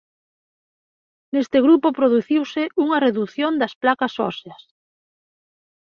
Neste grupo produciuse unha redución das placas óseas.